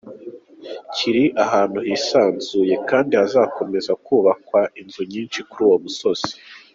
Kiri ahantu hisanzuye kandi hazakomeza kubakwa inzu nyinshi kuri uwo musozi.